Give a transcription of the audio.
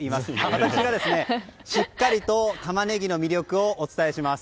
私がしっかりとタマネギの魅力をお伝えします。